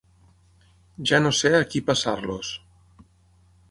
Ja no sé a qui passar-los.